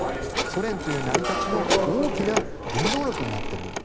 ソ連という成り立ちの大きな原動力になっているんだ。